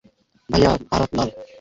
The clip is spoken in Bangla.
ভাইয়া, ভারত লাল।